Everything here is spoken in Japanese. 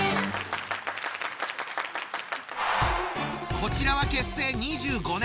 こちらは結成２５年。